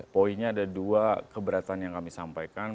poinnya ada dua keberatan yang kami sampaikan